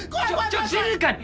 ちょっと静かに！